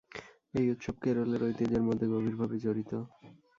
এই উৎসব কেরলের ঐতিহ্যের মধ্যে গভীরভাবে জড়িত।